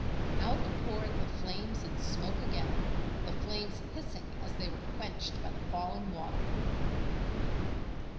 Out poured the flames and smoke again, the flames hissing as they were quenched by the falling water.